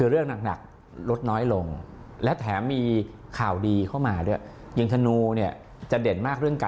เอาฟังเสียงหมดทั้งค่ะ